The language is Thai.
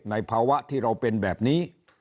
ภาวะที่เราเป็นแบบนี้